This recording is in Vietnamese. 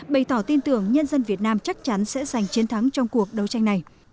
bày tỏ tin tưởng nhân dân việt nam chắc chắn sẽ giành chiến thắng trong cuộc đấu tranh này